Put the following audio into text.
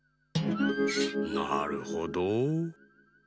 なるほど。